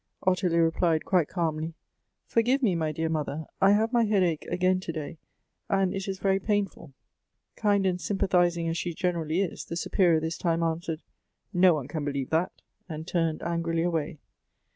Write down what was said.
Ottilie replied, quite calmly, 'Forgive me, my dear mother, I have my lieadache again to day, and it is very painful.' Kind and sympathizing as she 48 Goethe's generally is, the Superior this time answered, 'No one can believe that,' and turned angrily away.